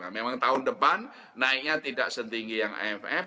memang tahun depan naiknya tidak setinggi yang aff